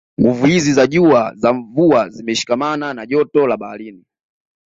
Nguvu hizi za juu za mvua zimeshikamana na joto la baharini